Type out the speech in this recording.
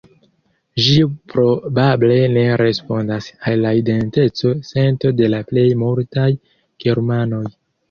Ĝi probable ne respondas al la identeco-sento de la plej multaj germanoj.